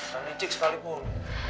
dan icik sekalipun